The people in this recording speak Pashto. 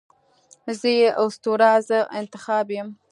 زه یې اسطوره، زه انتخاب یمه